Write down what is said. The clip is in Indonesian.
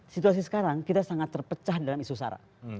situasi sekarang kita sangat terpecah dalam isu sara